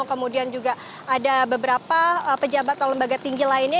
kemudian juga ada beberapa pejabat atau lembaga tinggi lainnya